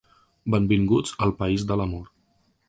Benvinguts al país de l'amor.